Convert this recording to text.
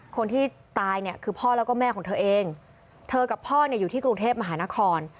คนที่ตายเนี่ยคือพ่อแล้วก็แม่ของเธอเองเธอกับพ่อเนี่ยอยู่ที่กรุงเทพมหานคร